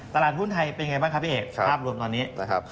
ตลาดทุนไทยเป็นอย่างไรบ้างครับพี่เอกภาพรวมตอนนี้